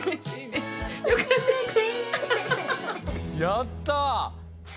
やった！